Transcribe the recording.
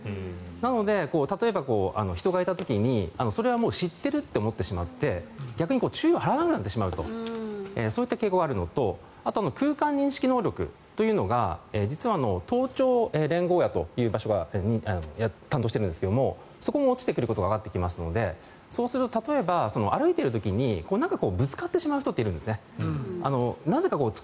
なので、例えば、人がいた時にそれはもう知っていると思ってしまって逆に注意を払わなくなってしまうというそういった傾向があるのと空間認識能力というのが実は頭頂連合野という場所が担当しているんですがそこも落ちてくることがわかってきていますので歩いている時にぶつかってしまう人というのがいるんですね。